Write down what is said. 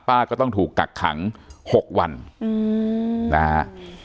ป้าก็ต้องถูกกักขัง๖วันนะครับ